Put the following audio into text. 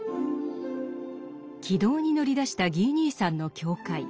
軌道に乗りだしたギー兄さんの教会。